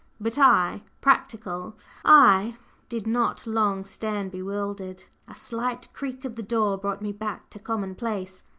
But I practical I did not long stand bewildered. A slight creak of the door brought me back to common place.